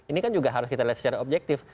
ini kan juga harus kita lihat secara objektif